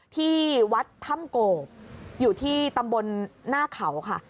ที่วัดถ้ำโกบอยู่ที่ตำบลหน้าเขาค่ะ